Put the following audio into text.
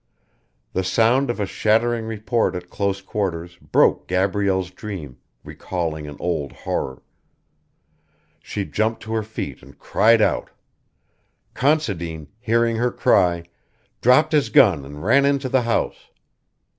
The sound of a shattering report at close quarters broke Gabrielle's dream, recalling an old horror. She jumped to her feet and cried out. Considine, hearing her cry, dropped his gun and ran into the house.